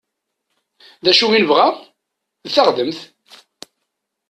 Dacu i nebɣa? D taɣdemt!